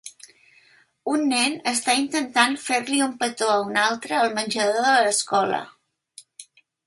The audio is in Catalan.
Un nen està intentant fer-li un petó a un altre al menjador de l'escola.